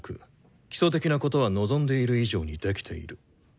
基礎的なことは望んでいる以上にできている。